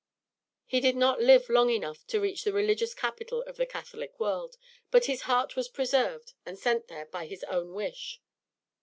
He did not live long enough to reach the religious capital of the Catholic world, but his heart was preserved and sent there, by his own wish.